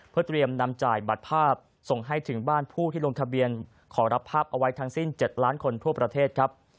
เพื่อเตรียมนำจ่ายบัตรภาพส่งให้ถึงบ้านผู้ที่ลงทะเบียนขอรับภาพเอาไว้ทั้งสิ้น๗ล้านคนทั่วประเทศครับ